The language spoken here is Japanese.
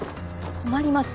困ります。